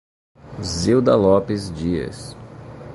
Zilda Lopes Dias